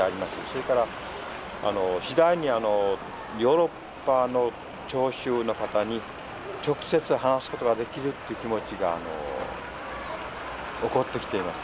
それからあの次第にあのヨーロッパの聴衆の方に直接話すことができるという気持ちが起こってきています。